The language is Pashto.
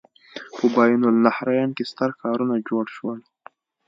په بین النهرین کې ستر ښارونه جوړ شول.